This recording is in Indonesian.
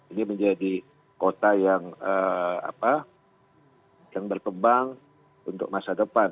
ini menjadi kota yang berkembang untuk masa depan